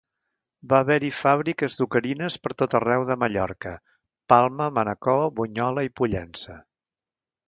Va haver-hi fàbriques d’ocarines per tot arreu de Mallorca; Palma, Manacor, Bunyola i Pollença.